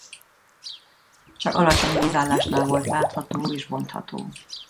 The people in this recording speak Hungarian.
Csak alacsony vízállásnál volt látható és bontható.